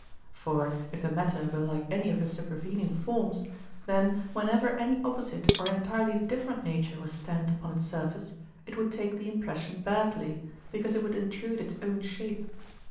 For if the matter were like any of the supervening forms, then whenever any opposite or entirely different nature was stamped upon its surface, it would take the impression badly, because it would intrude its own shape.